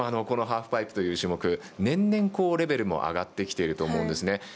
このハーフパイプという種目年々レベルも上がってきていると思うんですね。